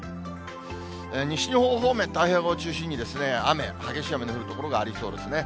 西日本方面、太平洋側を中心に雨、激しい雨の降る所がありそうですね。